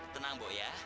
tenang bok ya